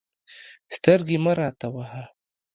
سترګې مه راته وهه.